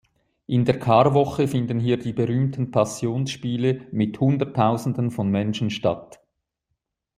In der Karwoche finden hier die berühmten Passionsspiele mit Hunderttausenden von Menschen statt.